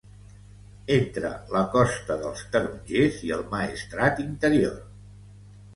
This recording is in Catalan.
entre la Costa dels Tarongers i el Maestrat interior